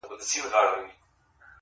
هسي نه چي د زمان خزان دي یوسي -